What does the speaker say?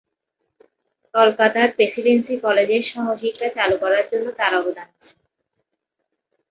কলকাতার প্রেসিডেন্সী কলেজে সহশিক্ষা চালু করার জন্য তাঁর অবদান আছে।